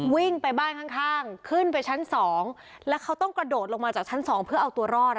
วิ่งไปบ้านข้างข้างขึ้นไปชั้นสองแล้วเขาต้องกระโดดลงมาจากชั้นสองเพื่อเอาตัวรอด